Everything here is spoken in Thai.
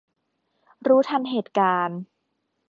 รู้ทันเหตุการณ์